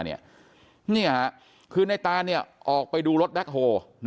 นี่ค่ะคือในตานออกไปดูรถแบ็คโฮ